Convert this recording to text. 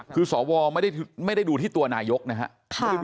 คือสวไม่ได้ดูที่ตัวนายกนะครับ